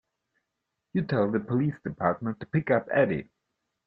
You tell the police department to pick up Eddie.